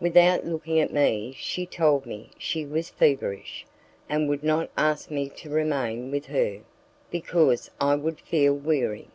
Without looking at me, she told me she was feverish, and would not ask me to remain with her, because I would feel weary.